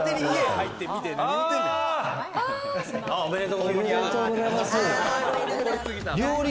おめでとうございます。